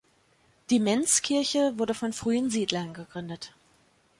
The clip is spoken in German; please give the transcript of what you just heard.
Die Mentz-Kirche wurde von frühen Siedlern gegründet.